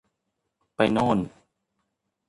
ไปโน่น